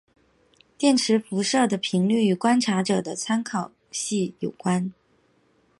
电磁辐射的频率与观察者的参考系有关。